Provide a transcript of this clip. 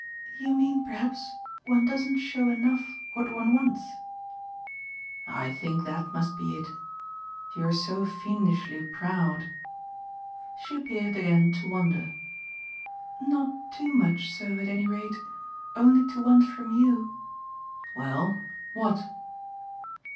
"You mean perhaps one doesn't show enough what one wants?" "I think that must be it. You're so fiendishly proud." She appeared again to wonder. "Not too much so, at any rate, only to want from YOU " "Well, what?"